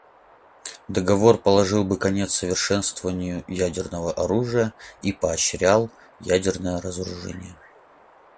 Договор положил бы конец совершенствованию ядерного оружия и поощрял ядерное разоружение.